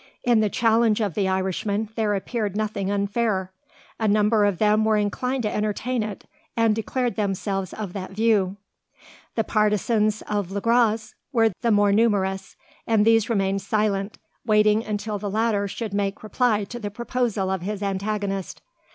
In the challenge of the Irishman there appeared nothing unfair. A number of them were inclined to entertain it, and declared themselves of that view. The partisans of Le Gros were the more numerous; and these remained silent, waiting until the latter should make reply to the proposal of his antagonist.